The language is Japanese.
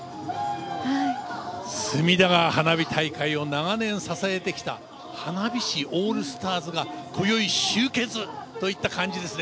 隅田川花火大会を長年支えてきた花火師オールスターズが今宵、集結といった感じですね。